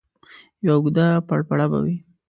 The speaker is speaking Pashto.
یوه اوږده پړپړه به وي.